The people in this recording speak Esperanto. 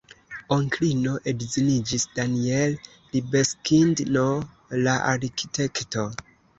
Onklino edziniĝis Daniel Libeskind-n, la arkitekto.